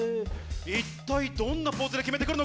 一体どんなポーズで決めて来るのか？